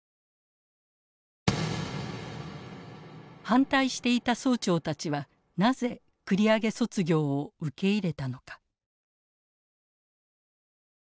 反対していた総長たちはなぜ繰り上げ卒業を受け入れたのか。